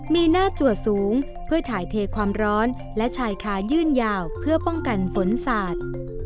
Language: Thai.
มีหน้าจัวสูงเพื่อถ่ายเทความร้อนและชายคายื่นยาวเพื่อป้องกันฝนสาด